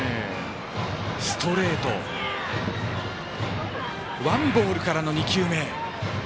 ストレートワンボールからの２球目。